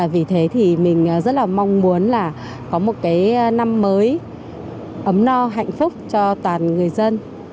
vì thế thì mình rất là mong muốn là có một cái năm mới ấm no hạnh phúc cho toàn người dân